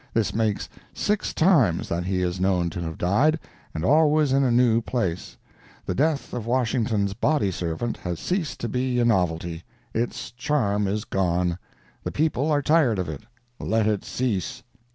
This makes six times that he is known to have died, and always in a new place. The death of Washington's body servant has ceased to be a novelty; it's charm is gone; the people are tired of it; let it cease.